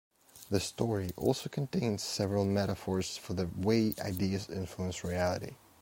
The story also contains several metaphors for the way ideas influence reality.